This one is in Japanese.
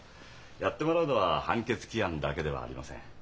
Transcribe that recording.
やってもらうのは判決起案だけではありません。